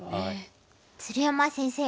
鶴山先生